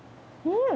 うん！